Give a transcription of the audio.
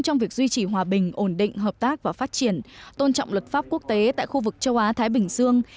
trong việc duy trì hòa bình ổn định hợp tác và phát triển tôn trọng luật pháp quốc tế tại khu vực châu á thái bình dương